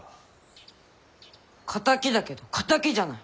敵だけど敵じゃない！